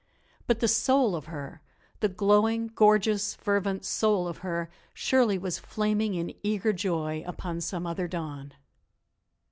But the soul of her, the glowing, gorgeous, fervent soul of her, surely was flaming in eager joy upon some other dawn.